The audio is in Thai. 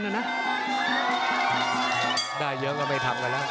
ผู้หัวต้องการแชมป์นี้ต้องมีการประกาศผลด้วยนะครับ